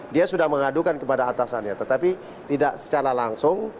dia sudah mengadukan kepada atasannya tetapi tidak secara langsung